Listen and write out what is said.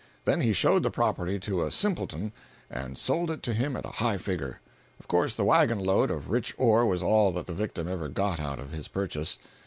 Then he showed the property to a simpleton and sold it to him at a high figure. Of course the wagon load of rich ore was all that the victim ever got out of his purchase.